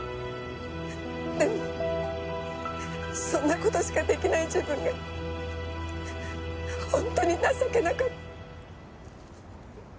でもそんな事しか出来ない自分が本当に情けなかった。